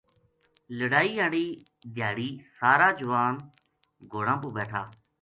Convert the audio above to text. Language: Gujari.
لڑائی ہاڑی دھیاڑی سارا جوان گھوڑاں پو بیٹھا